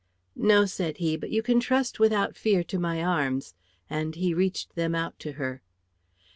"No," said he, "but you can trust without fear to my arms;" and he reached them out to her.